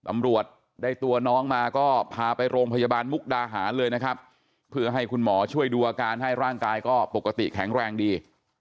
ตำรวจได้ตัวน้องมาก็พาไปโรงพยาบาลมุกดาหารเลยนะครับเพื่อให้คุณหมอช่วยดูอาการให้ร่างกายก็ปกติแข็งแรงดี